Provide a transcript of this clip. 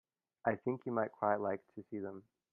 I think you might quite like to see them.